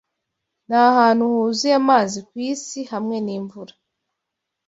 nahantu huzuye amazi ku isi hamwe n’imvura